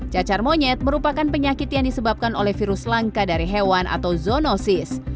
cacar monyet merupakan penyakit yang disebabkan oleh virus langka dari hewan atau zoonosis